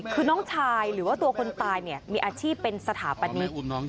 คือน้องชายหรือว่าตัวคนตายเนี่ยมีอาชีพเป็นสถาปนิก